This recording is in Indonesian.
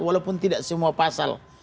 walaupun tidak semua pasal